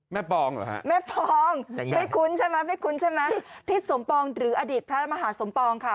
แม่ปองเหรอฮะยังไงไม่คุ้นใช่ไหมที่สมปองหรืออดีตพระมหาสมปองค่ะ